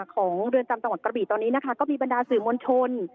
ของเรือนจำจังหวัดกระบี่ตอนนี้นะคะก็มีบรรดาสื่อมวลชน